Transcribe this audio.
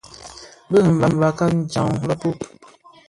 Bi mbakaken jaň lèpub,